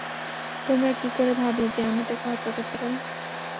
তোমরা কি করে ভাবলে যে, আমি তাঁকে হত্যা করতে পারি?